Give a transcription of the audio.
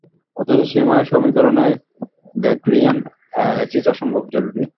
অথচ সময় সমীকরণে গ্রেগরিয়ান এ্যানালাইসিস অসম্ভব জরুরি।